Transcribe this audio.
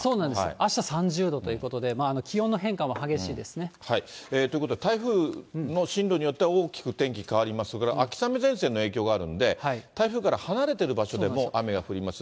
あした３０度ということで、まあ気温の変化もということで、台風の進路によっては大きく天気変わります、それから秋雨前線の影響があるんで、台風から離れている場所でも雨が降ります。